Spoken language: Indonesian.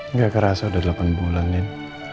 nggak kerasa udah delapan bulan ini